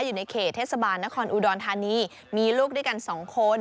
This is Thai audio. อยู่ในเขตเทศบาลนครอุดรธานีมีลูกด้วยกันสองคน